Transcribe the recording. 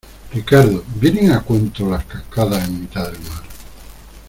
Ricardo, ¿ vienen a cuento las cascadas en mitad del mar?